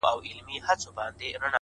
o یوه ورځ به دي چیچي. پر سپینو لېچو.